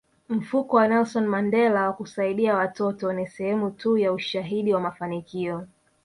Mfuko wa Nelson Mandela wa kusaidia watoto ni sehemu tu ya ushahidi wa mafanikio